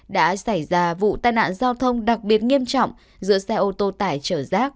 đã xảy ra vụ tàn nạn giao thông đặc biệt nghiêm trọng giữa xe ô tô tải trở rác